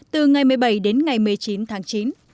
từ ngày một mươi bảy đến ngày một mươi chín tháng chín